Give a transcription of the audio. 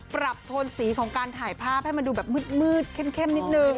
โทนสีของการถ่ายภาพให้มันดูแบบมืดเข้มนิดนึง